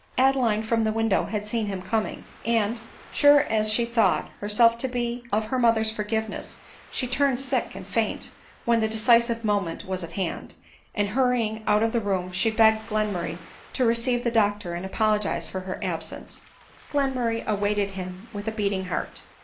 Adeline from the window had ^een him coming; and sure as she thought herself to be of her mother's forgiveness, she turned sick and faint when the decisive moment was at hand ; and hurrying out of the room she begged Glenmurray to receive the doctor and apologize for her absence. Glenmurray awaited him with a beating heart.